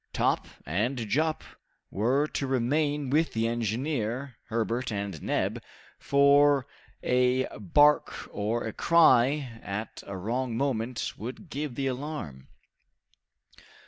Top and Jup were to remain with the engineer, Herbert, and Neb, for a bark or a cry at a wrong moment would give the alarm.